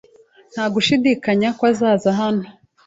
Nta gushidikanya ko azaza hano.